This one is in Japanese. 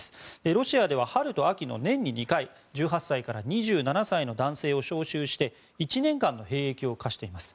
ロシアでは春と秋の年に２回１８歳から２７歳の男性を招集して１年間の兵役を課しています。